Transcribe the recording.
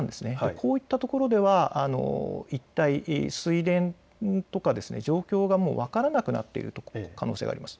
こういったところでは水田とか、状況が分からなくなっている可能性があります。